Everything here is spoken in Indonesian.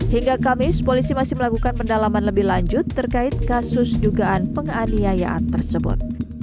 hingga kamis polisi masih melakukan pendalaman lebih lanjut terkait kasus dugaan penganiayaan tersebut